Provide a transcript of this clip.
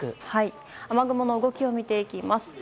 雨雲の動きを見ていきます。